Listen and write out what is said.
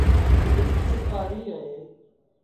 بلڪُل ڪآري اهي۔